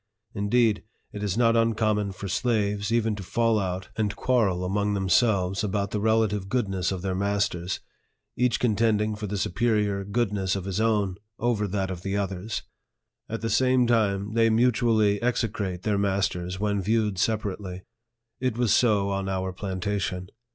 Indeed, it is not uncommon for slaves even to fall out and 20 NARRATIVE OF THE quarrel among themselves about the relative goodness of their masters, each contending for the superior goodness of his own over that of the others. At the very same time, they mutually execrate their masters when viewed separately. It was so on our plantation.